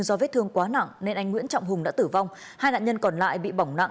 do vết thương quá nặng nên anh nguyễn trọng hùng đã tử vong hai nạn nhân còn lại bị bỏng nặng